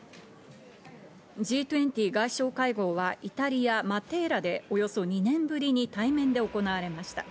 Ｇ２０外相会合は、イタリア・マテーラでおよそ２年ぶりに対面で行われました。